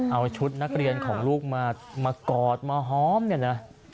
เอาชุดนักเรียนของลูกมากอดมาหอมเนี่ยนะ